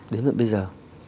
đếm được bây giờ